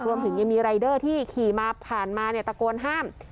รวมถึงยังมีรายเดอร์ที่ขี่มาผ่านมาเนี่ยตะโกนห้าม